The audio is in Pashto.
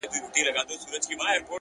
حوصله د سختیو ملګرې ده!.